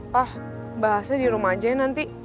wah bahasnya di rumah aja ya nanti